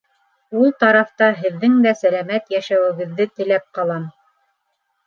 Ул тарафта һеҙҙең дә сәләмәт йәшәүегеҙҙе теләп ҡалам.